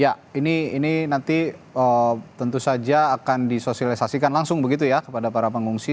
ya ini nanti tentu saja akan disosialisasikan langsung begitu ya kepada para pengungsi